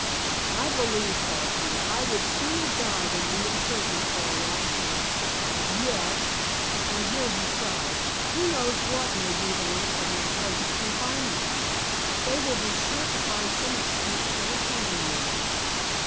"I believe," thought he, "I would sooner die than be imprisoned for a long term. Yet," and here he sighed, "who knows what may be the length of my present confinement? They will be sure to find some excuse for retaining me."